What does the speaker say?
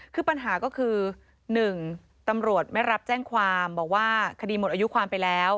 คือปัญหาก็คือ๑ตำรวจไม่รับแจ้งความบอกว่าคดีหมดอายุความไปแล้ว